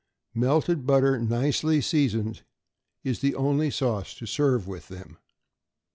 Melted butter, nicely seasoned, is the only sauce to serve with them.